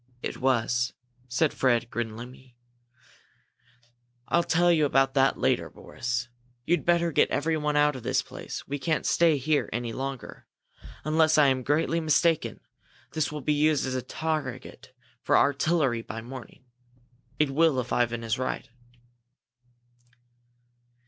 "It was," said Fred, grimly. "I'll tell you about that later, Boris! You'd better get everyone out of this place. We can't stay here any longer. Unless I'm greatly mistaken, this will be used as a target for artillery by morning. It will if Ivan is right."